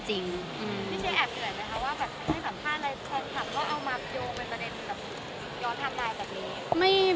พี่เชียร์แอบเหนื่อยไหมคะว่าแบบในสัมภาษณ์อะไรคำถามก็เอามาโยงเป็นประเด็นยอดทำได้แบบนี้